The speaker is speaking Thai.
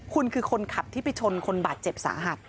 คุณคือคนขับที่ไปชนคนบาดเจ็บสาหัส